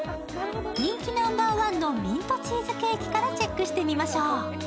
人気ナンバーワンのミントチーズケーキからチェックしましょう。